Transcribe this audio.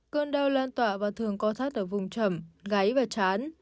cơn đau lan tọa và thường co thắt ở vùng trầm gáy và chán